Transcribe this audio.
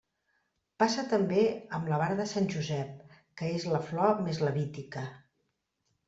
Passa també amb la vara de Sant Josep, que és la flor més levítica.